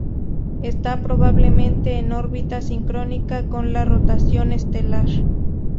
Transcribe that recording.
Esta probablemente en órbita sincrónica con la rotación estelar.